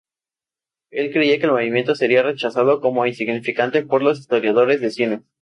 Él creía que el movimiento sería rechazado como insignificante por los historiadores de cine.